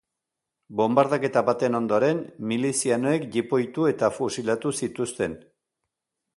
Bonbardaketa baten ondoren, milizianoek jipoitu eta fusilatu zituzten.